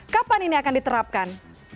kapan ini akan diterapkan